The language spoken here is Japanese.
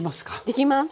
できます！